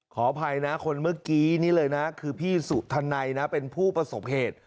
ขออภัยนะคนเมื่อกี้นี่เลยนะคือพี่สุธันัยนะเป็นผู้ประสบเหตุ